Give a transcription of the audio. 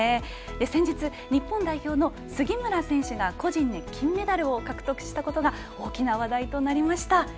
先日、日本代表の杉村選手が個人で金メダルを獲得したことが大きな話題となりました。